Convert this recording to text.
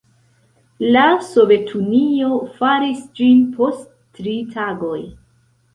La Sovetunio faris ĝin post tri tagoj.